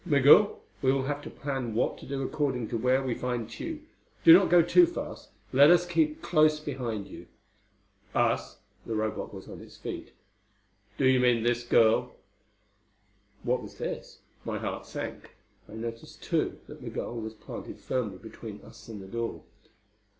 Migul, we will have to plan what to do according to where we find Tugh. Do not go too fast; let us keep close behind you." "Us?" The Robot was on its feet. "Do you mean this girl?" What was this? My heart sank. I noticed, too, that Migul was planted firmly between us and the door.